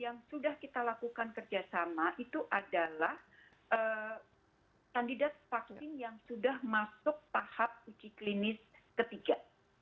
yang sudah kita lakukan kerjasama itu adalah kandidat vaksin yang sudah masuk tahap uji klinis ketiga